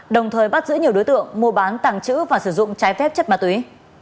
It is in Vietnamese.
đồng thời bắt giữ nhiều đối tượng mua bán tàng trữ và sử dụng trái phép chất ma túy